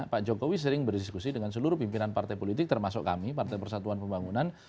pak jokowi sering berdiskusi dengan seluruh pimpinan partai politik termasuk kami partai persatuan pembangunan